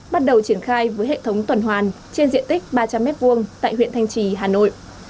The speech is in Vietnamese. bắt đầu triển khai với hệ thống tuần hoàn trên diện tích ba trăm linh m hai tại huyện thanh trì hà nội